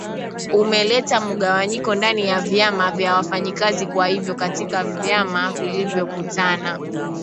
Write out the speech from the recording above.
umeleta mugawanyiko ndani ya vyama vya wafanyikazi kwa hivyo katika vyama vilivyokutana